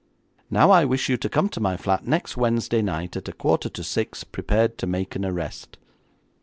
Now I wish you to come to my flat next Wednesday night at a quarter to six, prepared to make an arrest.'